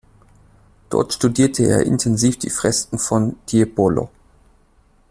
Dort studierte er intensiv die Fresken von Tiepolo.